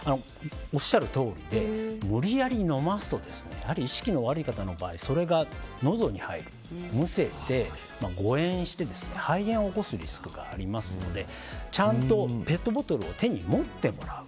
おっしゃるとおりで無理やり飲ませると意識の悪い方の場合それがのどに入り、むせて誤嚥して肺炎を起こすリスクがありますのでちゃんとペットボトルを手に持ってもらう。